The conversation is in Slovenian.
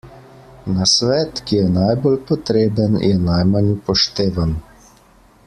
Nasvet, ki je najbolj potreben, je najmanj upoštevan.